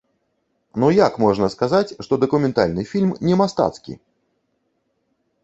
Ну як можна сказаць, што дакументальны фільм не мастацкі?!